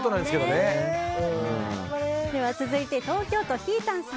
続いて、東京都の方。